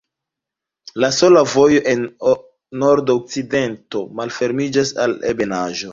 La sola vojo en nordokcidento malfermiĝas al ebenaĵo.